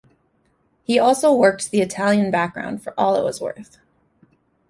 He also worked the Italian background for all it was worth.